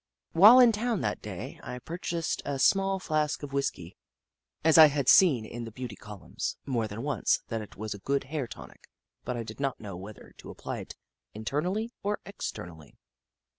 While in town that day, I purchased a small flask of whiskey, as I had seen in the beauty columns, more than once, that it was a good hair tonic, but I did not know whether to apply it internally or externally.